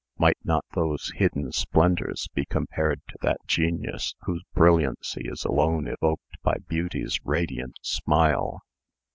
Might not those hidden splendors be compared to that genius whose brilliancy is alone evoked by Beauty's radiant smile?"